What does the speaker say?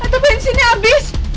tata bensinnya abis